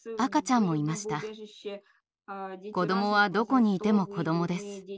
子どもはどこにいても子どもです。